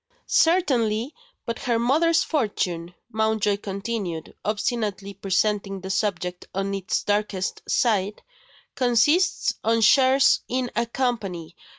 "Certainly! But her mother's fortune," Mountjoy continued, obstinately presenting the subject on its darkest side, "consists of shares in a Company.